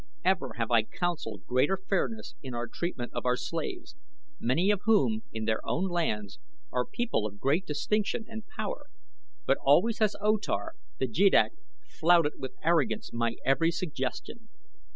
Ever have I counselled greater fairness in our treatment of our slaves, many of whom, in their own lands, are people of great distinction and power; but always has O Tar, the jeddak, flouted with arrogance my every suggestion.